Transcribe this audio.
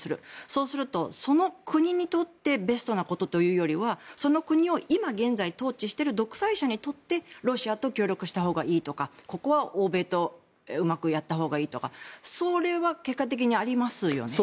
そうすると、その国にとってベストなことというよりはその国を今現在統治している独裁者にとってロシアと協力したほうがいいとかここは欧米とうまくやったほうがいいとかそれは結果的にありますよね。